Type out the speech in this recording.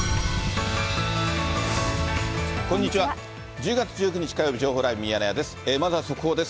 １０月１９日火曜日、情報ライブミヤネ屋です。